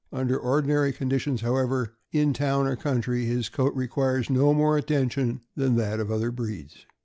Under ordi nary conditions, however, in town or countryr his coat requires no more attention than that of other breeds.